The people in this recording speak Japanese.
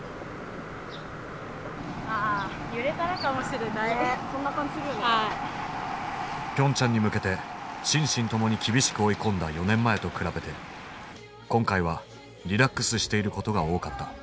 考え方的にピョンチャンに向けて心身ともに厳しく追い込んだ４年前と比べて今回はリラックスしていることが多かった。